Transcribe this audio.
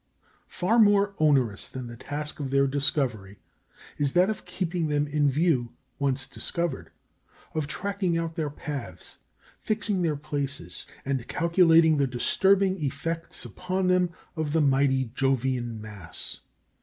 Far more onerous than the task of their discovery is that of keeping them in view once discovered of tracking out their paths, ixing their places, and calculating the disturbing effects upon them of the mighty Jovian mass.